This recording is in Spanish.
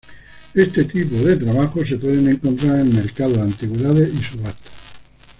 Este tipo de trabajos se pueden encontrar en el mercado de antigüedades y subastas.